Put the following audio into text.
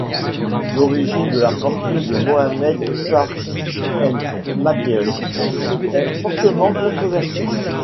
L'origine de la fortune de Mohamed Sakhr El Materi est fortement controversée.